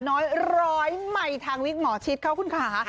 น้อยร้อยใหม่ทางวิกหมอชิดเขาคุณค่ะ